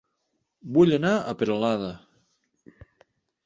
Vull anar a Peralada